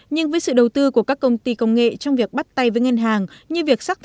nhưng với sự đầu tư của các công ty công nghệ